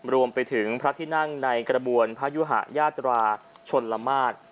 รวมไปถึงพระธินั่งในกระบวนภายุหอยาจราชวนรรมาส